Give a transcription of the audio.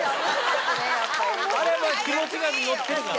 あれは気持ちが乗ってるから。